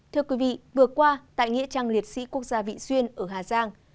thưa quý vị vừa qua tại nghĩa trang liệt sĩ quốc gia vị xuyên ở hà giang